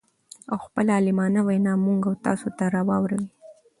او خپله عالمانه وينا موږ او تاسو ته را واور وي.